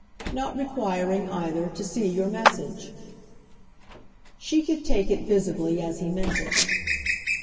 "Not requiring either to see your message." She could take it, visibly, as he meant it.